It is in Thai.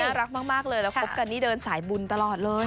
รักมากเลยแล้วคบกันนี่เดินสายบุญตลอดเลย